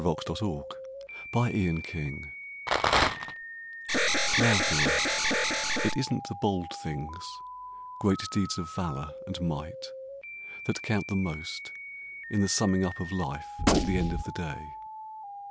THE THINGS THAT COUNT NOW, dear, it isn't the bold things, Great deeds of valour and might, That count the most in the summing up of life at the end of the day.